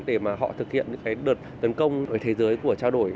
để họ thực hiện những đợt tấn công ở thế giới của trao đổi